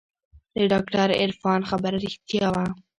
د ډاکتر عرفان خبره رښتيا وه.